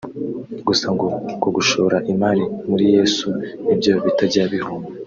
gusa ngo ngo gushora imari muri Yesu ni byo bitajya bihomba